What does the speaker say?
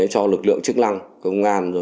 cho lực lượng chức năng